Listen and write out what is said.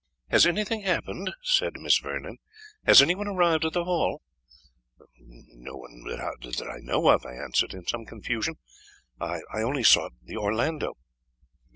"Has anything happened?" said Miss Vernon "has any one arrived at the Hall?" "No one that I know of," I answered, in some confusion; "I only sought the Orlando."